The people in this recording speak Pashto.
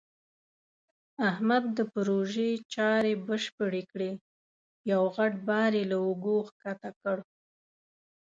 احمد د پروژې چارې بشپړې کړې. یو غټ بار یې له اوږو ښکته کړ.